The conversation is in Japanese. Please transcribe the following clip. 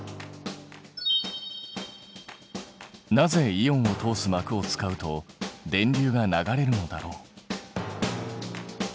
なぜイオンを通す膜を使うと電流が流れるのだろう？